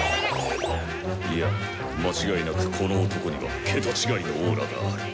いや間違いなくこの男にはケタ違いのオーラがある。